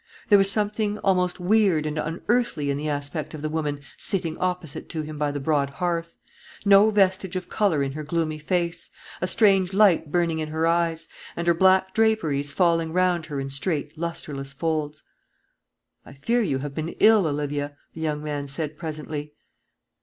There was something almost weird and unearthly in the aspect of the woman sitting opposite to him by the broad hearth: no vestige of colour in her gloomy face, a strange light burning in her eyes, and her black draperies falling round her in straight, lustreless folds. "I fear you have been ill, Olivia," the young man said, presently.